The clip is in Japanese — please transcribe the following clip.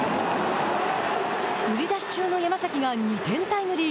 売り出し中の山崎が２点タイムリー。